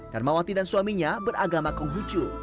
darmawati dan suaminya beragama konghucu